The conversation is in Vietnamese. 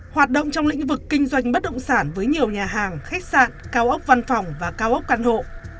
hoạt động trong lĩnh vực kinh doanh bất động sản với nhiều nhà hàng khách sạn cao ốc văn phòng và cao ốc căn hộ